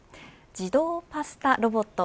自動パスタロボット